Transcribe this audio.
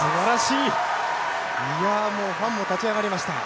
いやもうファンも立ち上がりました。